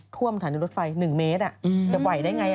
ท่วมสถานีรถไฟ๑เมตรจะไหวได้ไง